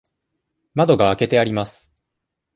窓が開けてあります。